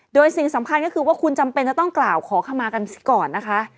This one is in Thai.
โดยสิ่งสำคัญก็คือว่าคุณจำเป็นจะต้องกล่าวขอขมากันก่อนนะคะ